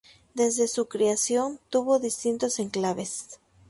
Desde su creación tuvo distintos enclaves.